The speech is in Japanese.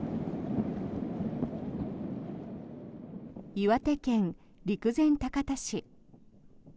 岩手県陸前高田市。